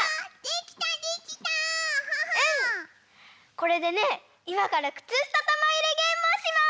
これでねいまからくつしたたまいれゲームをします！